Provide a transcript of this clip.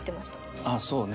ああそうね。